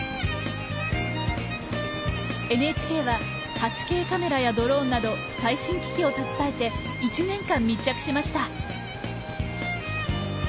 ＮＨＫは８Ｋカメラやドローンなど最新機器を携えて１年間密着しました。